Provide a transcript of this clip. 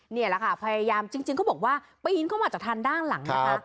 นี่แหละค่ะพยายามจริงเขาบอกว่าปีนเข้ามาจากทางด้านหลังนะคะ